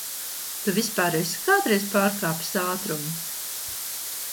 Tu vispār esi kādreiz pārkāpis ātrumu?